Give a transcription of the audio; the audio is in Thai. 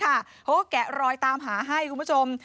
เขาก็แกะรอยตามหาให้คุณผู้ชม